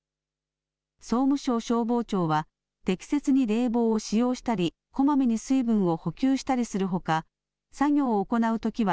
総務省消防庁は、適切に冷房を使用したり、こまめに水分を補給したりするほか、作業を行うときは